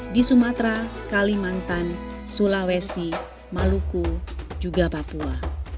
di sumatera kalimantan sulawesi maluku juga papua